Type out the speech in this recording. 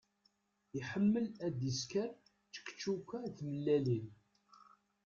Iḥemmel ad isker čekčuka d tmellalin.